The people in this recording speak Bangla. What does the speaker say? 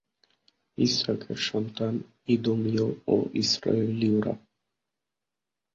ইস্হাকের সন্তান ইদোমীয় ও ইস্রায়েলীয়রা।